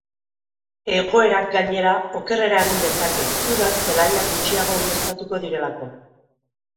Egoerak, gainera, okerrera egin dezake, udan zelaiak gutxiago ureztatuko direlako.